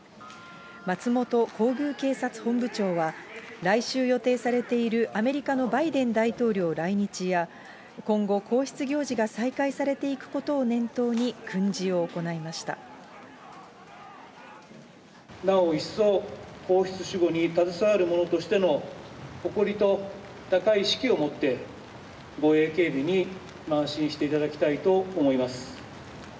松本皇宮警察本部長は、来週予定されているアメリカのバイデン大統領来日や、今後、皇室行事が再開されていくことを念頭に訓示をなお一層、皇室守護に携わる者としての誇りと高い士気を持って護衛警備にまい進していただきたいと思います。